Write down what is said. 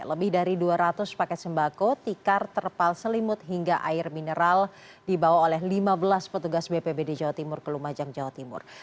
lebih dari dua ratus paket sembako tikar terpal selimut hingga air mineral dibawa oleh lima belas petugas bpbd jawa timur ke lumajang jawa timur